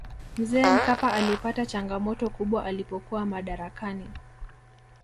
mzee mkapa alipata changamoto kubwa alipokuwa madarakani